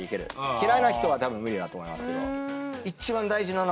嫌いな人はたぶん無理だと思いますよ。